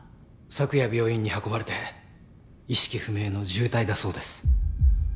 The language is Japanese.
昨夜病院に運ばれて意識不明の重体だそうです。